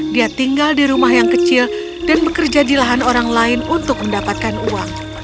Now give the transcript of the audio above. dia tinggal di rumah yang kecil dan bekerja di lahan orang lain untuk mendapatkan uang